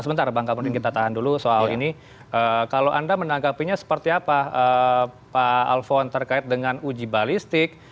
sebentar bang kamarudin kita tahan dulu soal ini kalau anda menanggapinya seperti apa pak alfon terkait dengan uji balistik